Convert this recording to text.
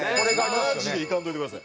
マジで行かんといてください。